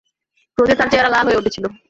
ক্রোধে তার চেহারা লাল হয়ে উঠেছিল।